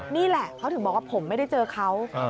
นี่แหละเขาถึงบอกว่าผมไม่ได้เจอเขา